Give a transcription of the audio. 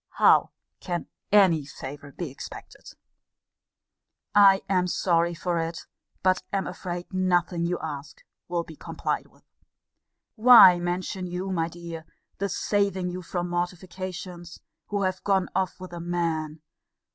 How can any favour be expected? I am sorry for it; but am afraid nothing you ask will be complied with. Why mention you, my dear, the saving you from mortifications, who have gone off with a man?